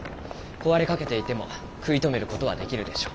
壊れかけていても食い止める事はできるでしょ。